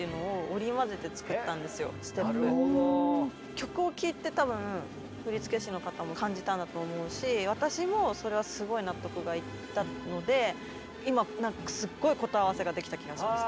曲を聴いて多分振り付け師の方も感じたんだと思うし私もそれはすごい納得がいったので今なんかすっごい答え合わせができた気がします。